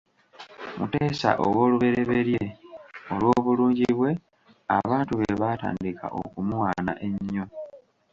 Muteesa owoolubereberye olw’obulungi bwe, abantu be baatandika okumuwaana ennyo.